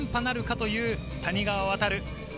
３連覇なるかという谷川航。